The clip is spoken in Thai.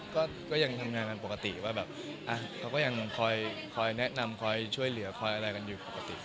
ก็ก็ยังทำงานกันปกติสัมปัฏิบันตาเขาก็ยังคอยแนะนำคอยช่วยเหลือคอยอะไรอยู่